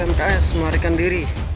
pmks marikan diri